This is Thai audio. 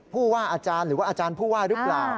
ผู้ว่าอาจารย์หรือว่าอาจารย์ผู้ว่าหรือเปล่า